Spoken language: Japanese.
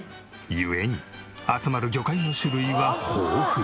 ゆえに集まる魚介の種類は豊富。